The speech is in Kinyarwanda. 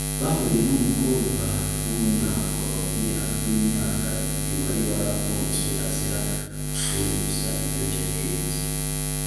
bahuye n umukobwa w umunyakolombiya w imyaka ibiri wari warafunzwe azira gucuruza ibiyobyabwenge